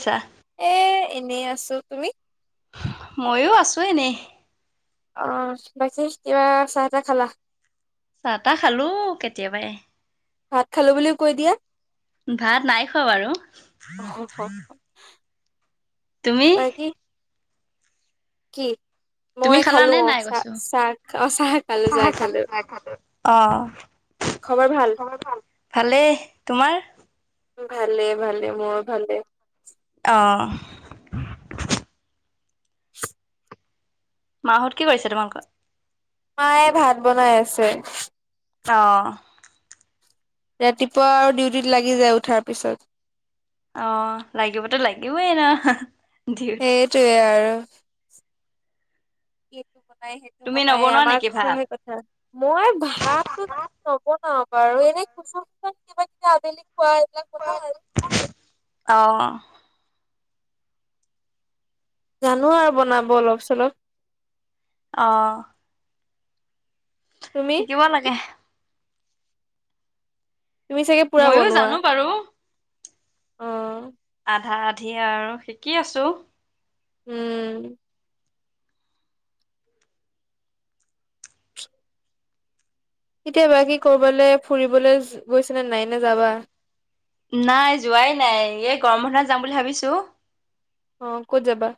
ছা এ এনেই আছো। তুমি? ময়ো আছো এনেই। অ' বাকী কিবা চাহ তাহ খালা? চাহ তাহ খালো কেতিয়াবাই। ভাত খালো বুলিও কৈ দিয়া? ভাত নাই খোৱা বাৰু। তুমি? বাকী কি তুমি মই খালো। খালানে অ' নাই চাহ কৈছো চাহ অ চাহ খালো চাহ খালো। অ। খবৰ ভাল? ভালেই। তোমাৰ? ভালে ভালে মোৰ ভালে। আহ। [inaudible] মাহত কি কৰিছে তোমালোকৰ? মায়ে ভাত বনাই আছে। আহ। ৰাতিপুৱা আৰু ডিউটিত লাগি যায় উঠাৰ পিছত। অ লাগিবতো লাগিবই ন। ডিউটি সেইটোৱে আৰু। এইটো বনাই সেইটো তুমি বনাই নবনোৱা আমাৰ নেকি ভাত খোৱাহে কথা। মই ভাতটো নবনাও। বাৰু এনেই খুচুক কিবা কিবি আবেলি খোৱা এইবিলাক বনাওঁ আৰু। আহ। জানো আৰু বনাব অলপ চলপ। আহ। তুমি শিকিব লাগে। তুমি চাগে পুৰা ময়ো বনোৱা! জানো বাৰু অ। আধা আধি আৰু শিকি আছো। উম। এতিয়াবা কি কৰ'বালৈ ফুৰিবলৈ গৈছেনে নাই নে যাবা? নাই যোৱাই নাই এই গৰম বন্ধত যাম বুলি ভাবিছো। অ ক'ত যাবা?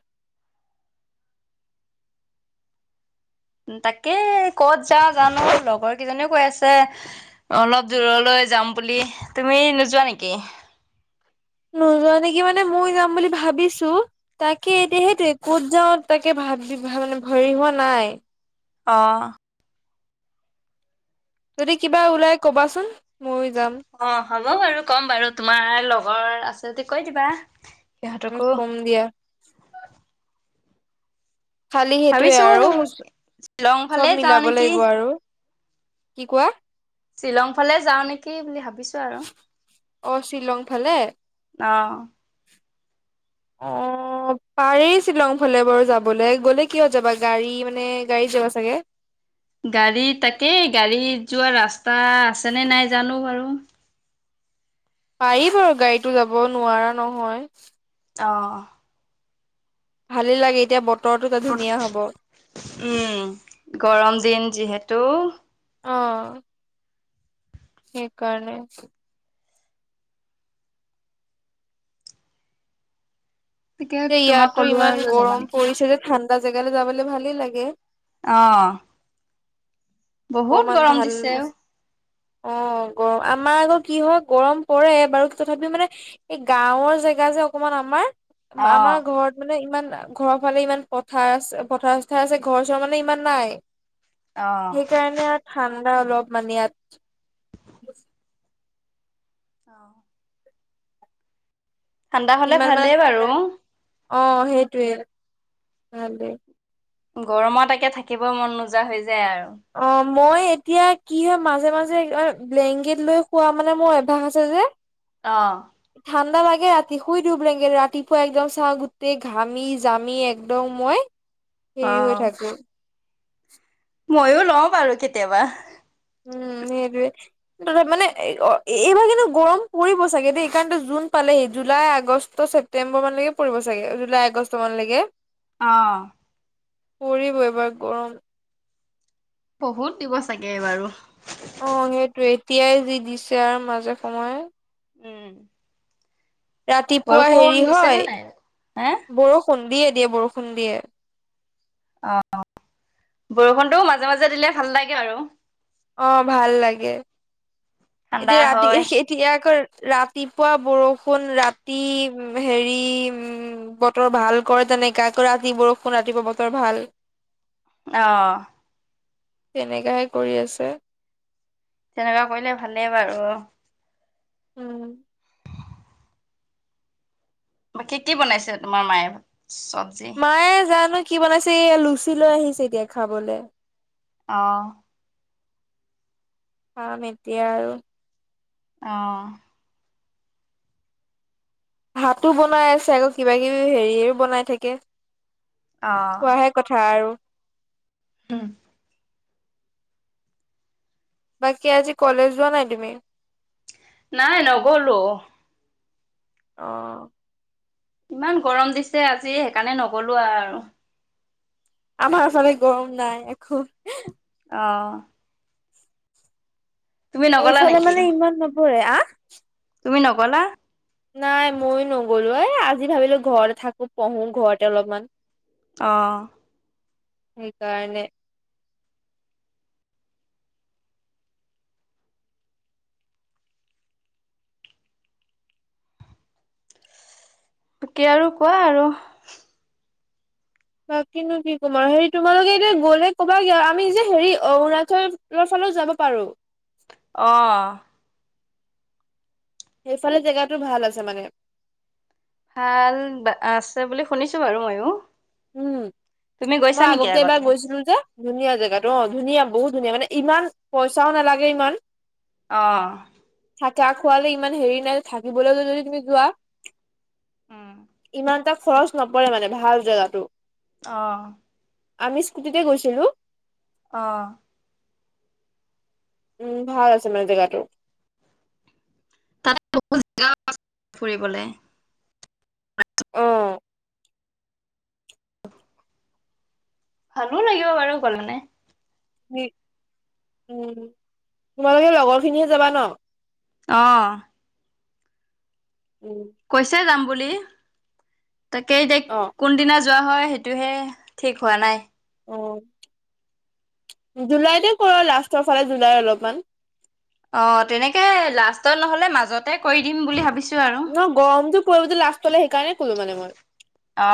তাকে ক'ত যা‌ওঁ জানো, লগৰ কেইজনীও কৈ আছে অলপ দূৰলৈ যাম বুলি, তুমি নোযোৱা নেকি? নোযোৱা নেকি মানে মই যাম বুলি ভাবিছো তাকে এতিয়া সেইটো ক'ত যাও তাকে ভাব ভাব দি ভ মানে ভৰি হোৱা নাই। আহ। যদি কিবা ওলাই কবাচোন? ময়ো যাম অ হ'ব বাৰু কম বাৰু তোমাৰ লগৰ আছে যদি কৈ দিবা। উম সিহঁতকো কম দিয়া। খালি সেইটোৱে ভাবিছো আৰু শ্বিলং ফালে চব যাওঁ মিলাব নেকি লাগিব আৰু। কি কোৱা? শ্বিলং ফালে যাওঁ নেকি বুলি ভাবো অ শ্বিলং ফালে। অ। অ। অ পাৰি শ্বিলং ফালে বাৰু যাবলৈ গ'লে কিয় যাবা গাড়ী মানে গাড়ীত যাবা চাগে? গাড়ী তাকে গাড়ীত যোৱা ৰাস্তা আছে নে নাই জানো বাৰু? পাৰি বাৰু গাড়ীটো যাব নোৱাৰা নহয়। অঁ। ভালে লাগে এতিয়া ব উম গৰম দিন যিহেতু। অ। সেইকাৰণে। তাকে যে তোমাক ইয়াতো ক'লো ইমান আৰু যাবা গৰম নেকি পৰিছে যে ঠাণ্ডা জেগালৈ যাবলে ভালেই লাগে। আহ। অকমান ভাল অ গ আমাৰ আকৌ কি হয় গৰম পৰে বাৰু তথাপিও মানে এই গাঁওৰ জেগা যে অকমান আমাৰ অ', আমাৰ ঘৰত মানে ইমান ঘৰৰ ফালে ইমান পথাৰ আ পথাৰ চথাৰ আছে ঘৰ চৰ মানে ইমান নাই। অ'। সেইকাৰণে আৰু ঠাণ্ডা অলপ মানে ইয়াত অহ ঠাণ্ডা হলে ইমান মানে ভালেই বাৰু, অ সেইটোৱে ভালেই। গৰমত একে থাকিব মন নোযোৱা হৈ যায় আৰু অ মই এতিয়া কি হয় মাজে মাজে ব্লেংকেট লৈ শোৱা মানে মোৰ অভ্যাস আছে যে। অহ। ঠাণ্ডা লাগে ৰাতি শুই ধুব লগে ৰাতিপুৱা একদম চাওঁ গোটেই ঘামি জামি একদম মই হেৰি হৈ থাকো। ময়ও লওঁ আৰু কেতিয়াবা উম মানে এইবাৰ কিন্তু গৰম পৰিব চাগে দেই এই কাৰণ জুন পালেই জুলাই আগষ্ট ছেপ্তেম্বৰ মানলৈকে পৰিব চাগে জুলাই আগষ্ট মানলৈকে অহ পৰিব এইবাৰ গৰম। বহুত দিব চাগে বাৰু অ সেইটো এতিয়াই যি দিছে আৰু মাজে সময়ে উম ৰাতিপুৱা বৰষুণ হেৰি দিছে নে হয় নাই? হে বৰষুণ দিয়ে দিয়ে বৰষুণ দিয়ে। অ বৰষুণটো মাজে মাজে দিলে ভাল লাগে আৰু অ ভাল লাগে। ঠাণ্ডা এতিয়া ৰাতি হয়, এতিয়া আকৌ ৰাতিপুৱা বৰষুণ ৰাতি উ হেৰি উম। বতৰ ভাল কৰে তেনেকাই ৰাতি বৰষুণ ৰাতিপুৱা বতৰ ভাল। অহ তেনেকে হে কৰি আছে। তেনেকুৱা কৰিলে ভালেই বাৰু উম ব কি কি বনাইছে তোমাৰ মায়ে? চব্জি? মায়ে জানো কি বনাইছে এই লুচি লৈ আহিছে এতিয়া খাবলৈ আহ। খাম এতিয়া আৰু আহ। হাতো বনাই আছে আকৌ কিবা কিবি হেৰিয়ও বনাই থাকে। অ'। খোৱাহে কথা আৰু উম বাকী আজি কলেজ যোৱা নাই তুমি। নাই নগলো। আহ। ইমান গৰম দিছে আজি সেইকাৰণে নগলো আৰু আৰু আমাৰ আচতে গৰম নাই এ অঁ নগলা এইফালে নেকি? মানে ইমান নপৰে আ তুমি নকলা নাই ময়ো নগ'লো এ আজি ভাবিলো ঘৰতে থাকো পঢ়ো ঘৰতে অলপমান। আহ সেইকাৰণে তাকে আৰু কোৱা আৰু বাকিনো কি কম আৰু হেৰি তোমালোকে এতিয়া গ'লে ক'বা গে আৰু আমি যে হেৰি অৰুণাচলৰ ফালে যাব পাৰো। অহ সেইফালে জেগাটো ভাল আছে মানে ভাল আছে বুলি শুনিছো বাৰু ময়ো উম তুমি গৈছা মই নেকি আগতে এবাৰ গৈছিলো যে ধুনীয়া জেগাতটো অ ধুনীয়া বহুত ধুনীয়া মানে ইমান পইচাও নালাগে ইমান অহ হাতা খোৱালে ইমান হেৰি নাই থাকিবলৈ যদি তুমি যোৱা উম, ইমানটা খৰচ নপৰে মানে ভাল জেগাটো অহ আমি স্কুটিতে গৈছিলো অহ উম ভাল আছে মানে জেগাটো তাতে বহত জেগা আছে ফুৰিবলে অহ ভালো লাগিব বাৰু গ'লে মানে উম তোমালোকে লগৰ খিনিহে যাবা ন? অহ উম। কৈছে যাম বুলি তাকেই এতি অ', কোনদিনা যোৱা হয় সেইটোহে ঠিক হোৱা নাই অ জুলাইতে কৰো লাষ্টৰ ফালে জুলাই অলপমান অ তেনেকে লাষ্টত নহলে মাজতে কৰি দিম বুলি ভাবিছো আৰু ন গৰমটো পৰিব যে লাষ্টলে সেইকাৰণে কলো মানে মই। অ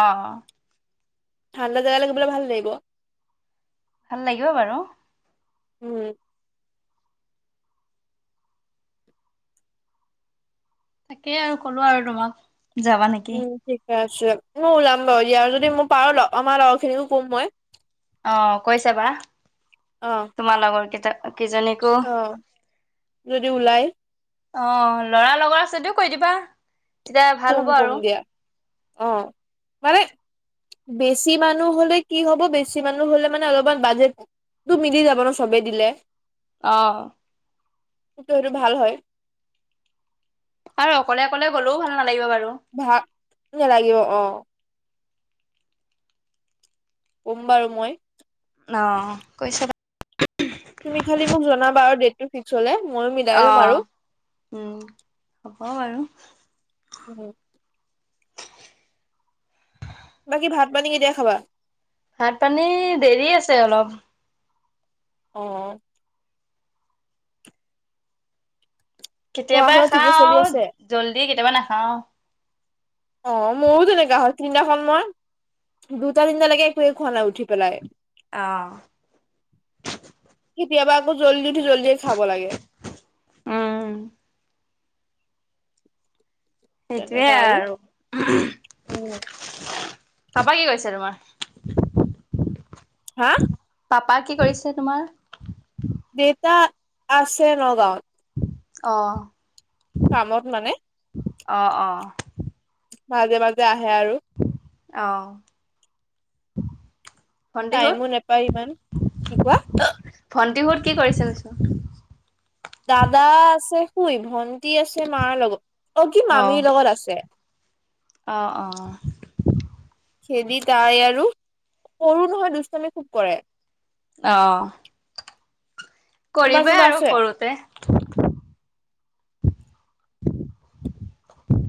ঠাণ্ডা জাগা জাবলৈ ভাল লাগিব ভাল লাগিব বাৰু উম। তাকেই আৰু কলো আৰু তোমাক, যাবা নেকি? চো, মই ওলাম বাৰু দিয়া আৰু যদি মোৰ পাৰো আমাৰ লগৰ খিনিকো কম মই। অ কৈছে বা অ', তোমাৰ লগৰ কেইটা। কেইজনীকো অ' যদি ওলাই অ লৰা লগৰ আছে যদিও কৈ দিবা। তেতিয়া ভাল হ'ব কুম-কুম আৰু দিয়া। আহ মানে বেছি মানুহ হলে কি হ'ব, বেছি মানুহ হলে মানে অলপমান বাজেট তোৰ মিলি যাব ন চবেই দিলে। অহ। সেইটো সেইটো ভাল হয়। আৰু অকলে অকলে গলেও ভাল নালাগিব বাৰু। ভাল নালাগিব অ। কম বাৰু মই। অ কৈছাবা কিছলে [unintelligible] অহ'উম হ'ব বাৰু উম হু বাকী ভাত পানী কেতিয়া খাবা? ভাত পানী দেৰি আছে অলপ। অ। পঢ়া কেতিয়াবা শুনা ঠিকে চলি খাওঁ আছে জল্দি, কেতিয়াবা নাখাও। অ মোৰ তেনেকুৱা হয়, তিনিদিনাখন মই। দুটা তিনটা লৈকে একোৱে খোৱা নাই উঠি পেলাই। আহ। কেতিয়াবা জল্দি উঠো জল্দিয়ে খাব লাগে। উম সেইটোৱে আৰু উমহো। উম পাপা কি কৈছে তোমাৰ? হা? পাপা কি কৰিছে তোমাৰ? দেউতা আছে নগাঁৱত। অ। কামত মানে। অ অ। মাজে মাজে আহে আৰু। অ। ভণ্টিহঁত? টাইমো নাপায় ইমান। কি কোৱা? ভণ্টিহঁত কি কৰিছিল চোন? দাদা আছে শুই ভন্টি আছে মাৰ লগত অ কি মামীৰ লগত আছে। অ অ। খেদি তাই আৰু, সৰু নহয় দুষ্টামি খুব কৰে। আহ। তোমাৰ কৰিবই কোনোবা আৰু আছে? সৰু কৰোতে।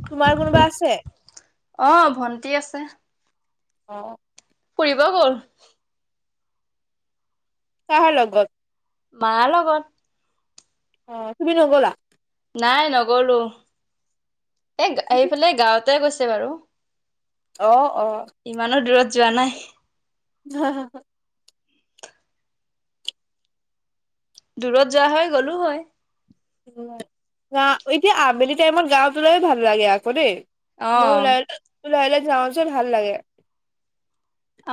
তোমাৰ কোনোবা আছে? অহ ভন্টি আছে। অ। ফুৰিব গ'ল। কাৰ লগত? মাৰ লগত। অ তুমি নগ'লা? নাই নগলো। এই আহিফালে গাঁৱতে গৈছে বাৰু। অ। অ'। ইমানো দূৰত যোৱা নাই। হা হা, হা। দূৰত যোৱা হয়, গলো হয়। উম এতিয়া আবেলি টাইমত গাওটোলৈ ভাল লাগে আকৌ দেই। অহ। তোৰ লাহে লাহে যাওঁচোন ভাল লাগে।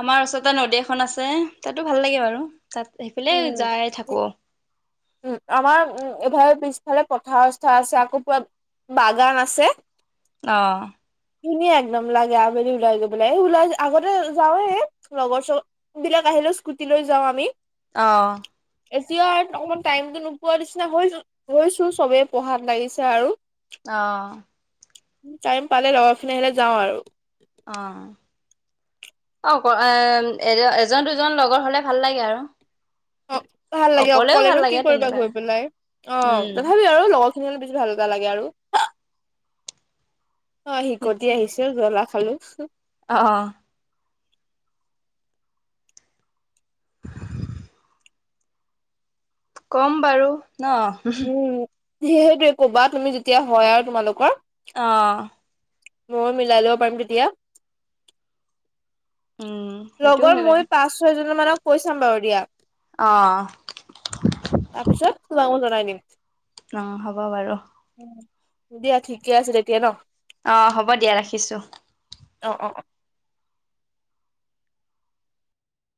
আমাৰ ওচৰতে নদী এখন আছে তাতো ভাল লাগে বাৰু। তাত সেইফালে উম, যাই থাকোঁ। উম আমাৰ উম ঘৰ পিছ- ইফালে পথাৰ ৰাস্তা আছে, আকৌ পুৰা বাগান আছে। আহ। ধুনীয়া একদম লাগে আবেলি ওলাই গৈ ওলাই আগতে যাওৱে লগৰ চগৰ বিলাক আহে। হলেও স্কুটি লৈ যাওঁ আমি। অ। এতিয়া আৰু অকমান টাইমটো নোপোৱা নিচিনা হৈ হৈছো চবেই পঢ়াত লাগিছে আৰু। অ। টাইম পালে লগৰখিনি আহিলে যাওঁ আৰু। আহ। অ, এ এ এজন দুজন লগৰ হলে ভাল লাগে আৰু। অ ভাল লাগে অকলেও ভাল অকলেনো কি লাগে কৰিবা তেনেকুৱা গৈ পেলাই। অ, উম, তথাপি আৰু লগৰখিনি বেছি ভাল লাগে এটা লাগে আৰু। অ শিকটি আহিছো জ্বলা খালো। আহ আহ। কম বাৰু ন। যি সেইটোৱে কবা তুমি যেতিয়া হয় আৰু তোমালোকৰ। অহ। মইয়ো মিলাই লব পাৰিম তেতিয়া। উম, সেইটোও লগৰ হয় বাৰু মই পাঁচ, ছয়জন মানক কৈ চাম বাৰু দিয়া। অ', তাৰপিছত মইয়ো জনাই দিম। অ হ'ব বাৰু। দিয়া ঠিকে আছে তেতিয়া ন। আহ হ'ব দিয়া ৰাখিছো। অ অ অ